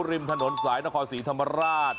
ริมถนนสายนครศรีธรรมราช